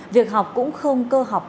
việc học cũng không cơ học